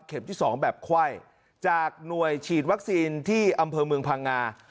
ที่๒แบบไขว้จากหน่วยฉีดวัคซีนที่อำเภอเมืองพังงา